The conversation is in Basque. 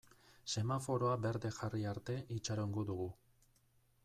Semaforoa berde jarri arte itxarongo dugu.